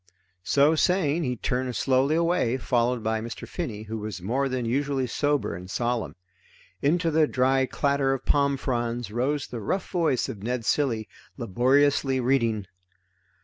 So saying he turned slowly away, followed by Mr. Finney, who was more than usually sober and solemn. Into the dry clatter of palm fronds rose the rough voice of Ned Cilley laboriously reading.